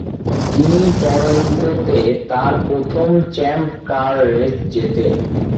তিনি টরন্টোতে তার প্রথম চ্যাম্প কার রেস জেতেন।